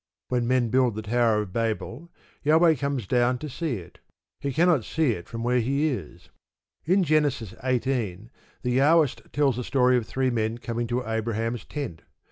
When men build the Tower of Babel, Jahweh comes down to see it he cannot see it from where he is. In Genesis xviii. the Jahwist tells a story of three men coming to Abraham's tent.